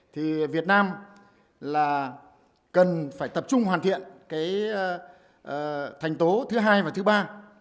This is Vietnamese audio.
thì việt nam là cần phải tập trung hoàn thiện cái thành tố thứ hai và thứ ba